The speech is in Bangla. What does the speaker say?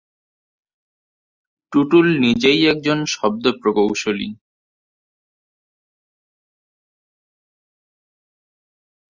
টুটুল নিজেই একজন শব্দ প্রকৌশলী।